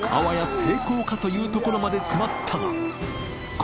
成功かというところまで迫ったが２鵑